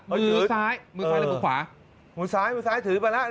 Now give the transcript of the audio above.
มือซ้ายมือซ้ายแล้วมือขวามือซ้ายมือซ้ายถือไปแล้ว